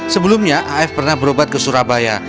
sebelumnya af pernah berobat ke surabaya